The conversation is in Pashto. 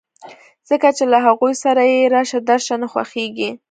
ځکه چې له هغوی سره يې راشه درشه نه خوښېږي.